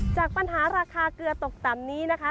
จากปัญหาราคาเกลือตกต่ำนี้นะคะ